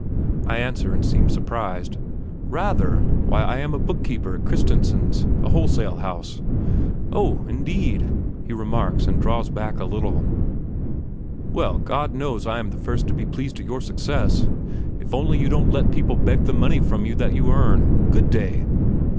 I answer and seem surprised. "Rather! Why, I am book keeper at Christensen's a wholesale house." "Oh, indeed!" he remarks and draws back a little. "Well, God knows I am the first to be pleased at your success. If only you don't let people beg the money from you that you earn. Good day!"